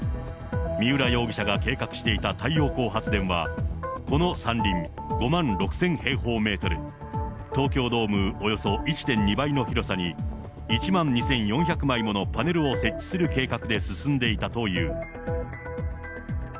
三浦容疑者が計画していた太陽光発電は、この山林５万６０００平方メートル、東京ドームおよそ１．２倍の広さに、１万２４００枚ものパネルを設置する計画で進んでいたという。